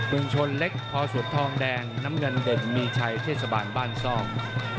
เมืองชนเล็กพอสวนทองแดงน้ำเงินเด่นมีชัยเทศบาลบ้านซ่อง